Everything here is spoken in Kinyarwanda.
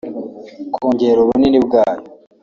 kongera ubunini bwayo